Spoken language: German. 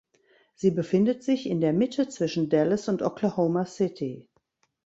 Sie befindet sich in der Mitte zwischen Dallas und Oklahoma City.